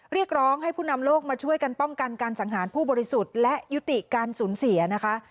เรียกร้องให้ผู้นำโลกมาช่วยกันป้องกันการสังหารผู้บริสุทธิ์และยุติการสูญเสียนะคะ